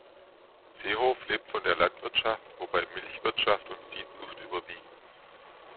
Seehof lebt von der Landwirtschaft, wobei Milchwirtschaft und Viehzucht überwiegen.